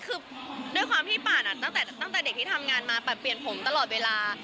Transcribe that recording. คือด้วยความที่ปั่นตั้งแต่เด็กที่ทำงานมาปั่นเปลี่ยนผมตลอดเวลา